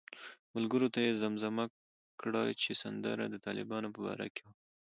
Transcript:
ملګرو ته یې زمزمه کړه چې سندره د طالبانو په باره کې وه.